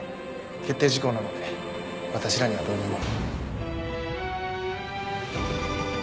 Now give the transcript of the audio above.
決定事項なので私らにはどうにも。